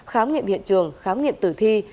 khám nghiệm hiện trường khám nghiệm tử thi